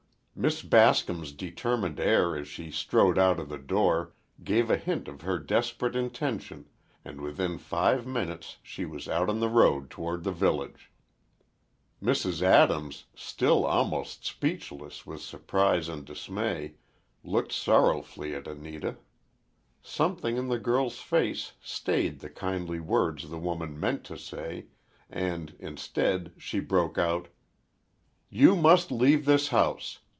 Miss Bascom's determined air as she strode out of the door gave a hint of her desperate intention and within five minutes she was out on the road toward the village. Mrs. Adams, still almost speechless with surprise and dismay, looked sorrowfully at Anita. Something in the girl's face stayed the kindly words the woman meant to say, and, instead, she broke out: "You must leave this house!